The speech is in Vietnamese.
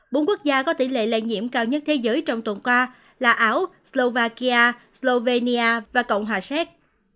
bốn quốc gia có tỷ lệ lây nhiễm cao nhất thế giới trong tuần qua là ảo slovakia slovenia và cộng hòa xét